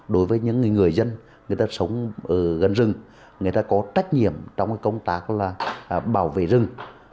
đối với những người dân người ta sống ở gần rừng người ta có trách nhiệm trong công tác bảo vệ rừng